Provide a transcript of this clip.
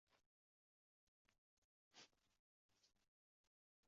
Nasiyaga beraverarkan, deb haddingdan oshib ketyapsan